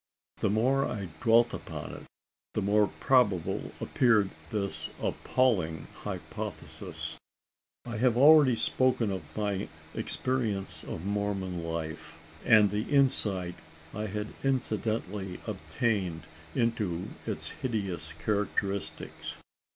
The more I dwelt upon it, the more probable appeared this appalling hypothesis. I have already spoken of my experience of Mormon life, and the insight I had incidentally obtained into its hideous characteristics.